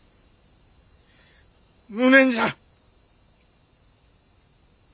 無念じゃ。